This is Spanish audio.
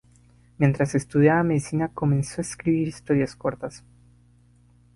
Mientras estudiaba medicina comenzó a escribir historias cortas.